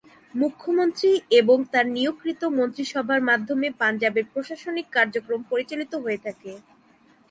মুখ্যমন্ত্রী এবং তার নিয়োগকৃত মন্ত্রিসভার মাধ্যমে পাঞ্জাবের প্রশাসনিক কার্যক্রম পরিচালিত হয়ে থাকে।